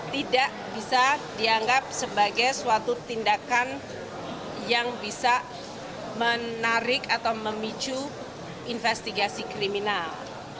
tidak bisa dianggap sebagai suatu tindakan yang bisa menarik atau memicu investigasi kriminal